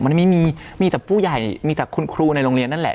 มันไม่มีมีแต่ผู้ใหญ่มีแต่คุณครูในโรงเรียนนั่นแหละ